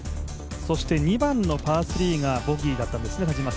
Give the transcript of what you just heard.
そして２番のパー３がボギーだったんですね。